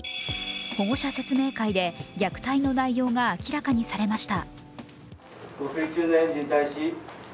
保護者説明会で虐待の内容が明らかにされました。